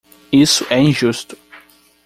Isso é injusto.